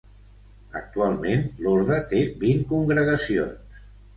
Actualment l'orde té vint congregacions.